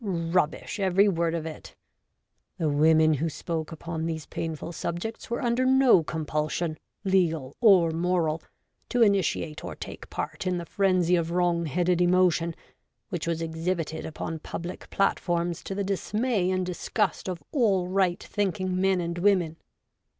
Rubbish, every word of it ! The women who spoke upon these painful subjects were under no compulsion, legal or moral, to initiate or take part in the frenzy of wrong headed emotion, which was exhibited upon public platforms to the dismay and disgust of all right thinking men and women.